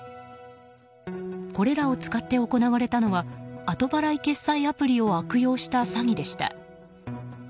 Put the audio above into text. これらを使って行われたのは後払い決済アプリを悪用した詐欺でした。